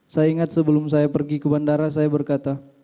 saya ingat sebelum saya pergi ke bandara saya berkata